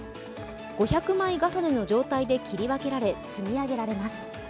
５００枚重ねの状態で切り分けられ、積み上げられます。